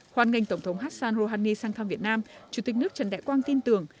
khoan nghênh tổng thống hassan rouhani sang thăm việt nam chủ tịch nước trần đại quang tin tưởng